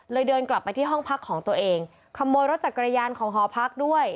เดินกลับไปที่ห้องพักของตัวเองขโมยรถจักรยานของหอพักด้วย